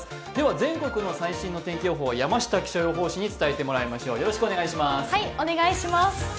全国の最新の天気予報を山下気象予報士に伝えてもらいましょう。